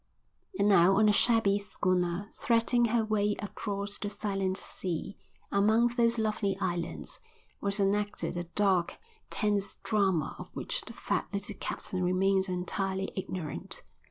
And now on the shabby schooner, threading her way across the silent sea, among those lovely islands, was enacted a dark, tense drama of which the fat little captain remained entirely ignorant.